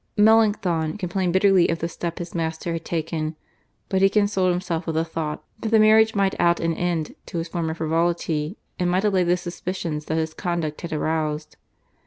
Melanchthon complained bitterly of the step his master had taken, but he consoled himself with the thought that the marriage might out an end to his former frivolity, and might allay the suspicions that his conduct had aroused.